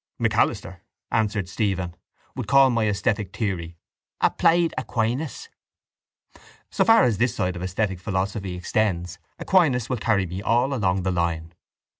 —MacAlister, answered Stephen, would call my esthetic theory applied Aquinas. So far as this side of esthetic philosophy extends, Aquinas will carry me all along the line.